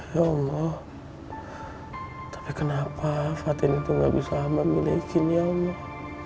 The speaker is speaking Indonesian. ya allah tapi kenapa fatin itu gak bisa amba milihkin ya allah